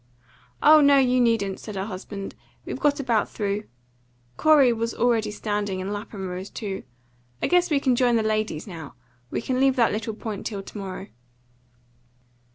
"Oh no, you needn't," said her husband. "We've got about through." Corey was already standing, and Lapham rose too. "I guess we can join the ladies now. We can leave that little point till to morrow."